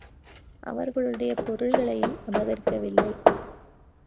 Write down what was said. அவர்களுடைய பொருள்களையும் அபகரிக்கவில்லை.